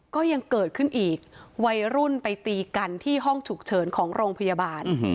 ก็ยังเกิดขึ้นอีกวัยรุ่นไปตีกันที่ห้องฉุกเฉินของโรงพยาบาล